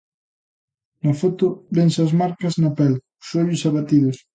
Na foto vense as marcas na pel, os ollos abatidos.